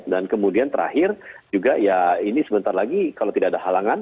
dan kemudian terakhir juga ya ini sebentar lagi kalau tidak ada halangan